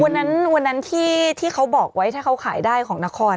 วันนั้นวันนั้นที่เขาบอกไว้ถ้าเขาขายได้ของนคร